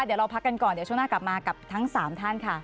เดี๋ยวเราพักกันก่อนเดี๋ยวช่วงหน้ากลับมากับทั้ง๓ท่านค่ะ